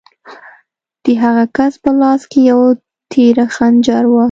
د هغه کس په لاس کې یو تېره خنجر و